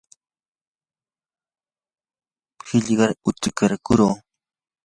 qillqar utikaykurquu.